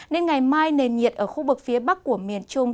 nên ngày mai nền nhiệt ở khu vực phía bắc của miền trung